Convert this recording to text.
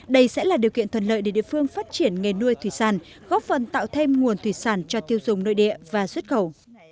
đây sẽ là điều kiện thuận lợi để địa phương phát triển nghề nuôi thủy sản góp phần tạo thêm nguồn thủy sản cho tiêu dùng nội địa và xuất khẩu